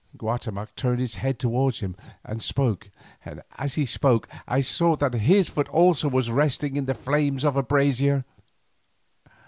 Guatemoc turned his head towards him and spoke, and as he spoke I saw that his foot also was resting in the flames of a brazier.